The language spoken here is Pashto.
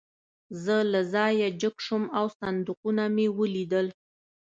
زه له ځایه جګ شوم او صندوقونه مې ولیدل